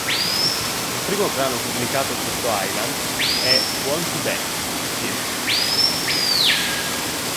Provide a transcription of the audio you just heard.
Il primo brano pubblicato sotto Island è "Want You Back" feat.